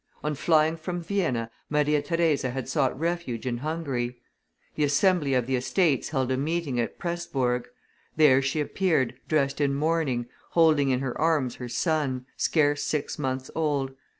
On flying from Vienna, Maria Theresa had sought refuge in Hungary; the assembly of the Estates held a meeting at Presburg; there she appeared, dressed in mourning, holding in her arms her son, scarce six months old.